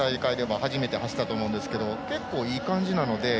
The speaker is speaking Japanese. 初めて走ったと思うんですが結構いい感じなので。